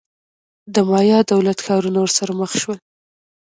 د مایا دولت-ښارونه ورسره مخ شول.